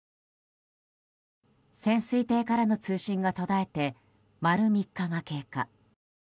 潜水艇からの通信が途絶えて丸３日が経過。